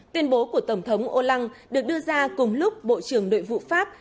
tuyên bố của tổng thống hollande được đưa ra cùng lúc bộ trưởng đội vụ pháp